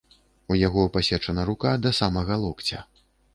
У яго пасечана рука да самага локця.